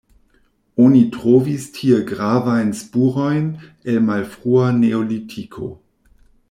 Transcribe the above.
Oni trovis tie gravajn spurojn el malfrua neolitiko.